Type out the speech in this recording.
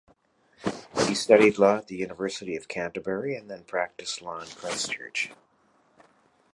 He studied law at the University of Canterbury and then practiced law in Christchurch.